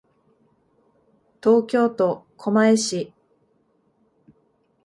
東京都狛江市